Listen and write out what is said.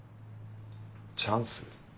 チャンス？